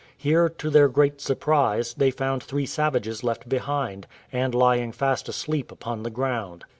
Here, to their great surprise, they found three savages left behind, and lying fast asleep upon the ground.